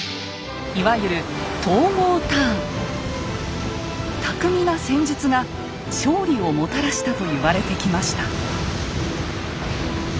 いわゆる巧みな戦術が勝利をもたらしたと言われてきました。